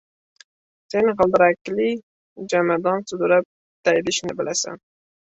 Sen g‘ildirakli jomadon sudrab daydishni bilasan.